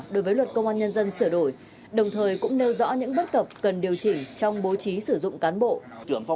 đối với luật công an nhân dân sửa đổi đồng thời cũng nêu rõ những bất cập cần điều chỉnh trong bố trí sử dụng cán bộ